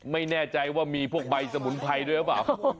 ไม่แน่ใจว่ามีพวกใบสมุนไพรด้วยหรือเปล่า